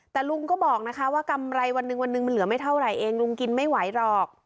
แต่ลุงก็บอกนะคะว่ากำไรวันหนึ่งวันหนึ่งมันเหลือไม่เท่าไหร่เองลุงกินไม่ไหวหรอก